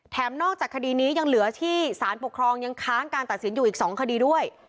นอกจากคดีนี้ยังเหลือที่สารปกครองยังค้างการตัดสินอยู่อีก๒คดีด้วย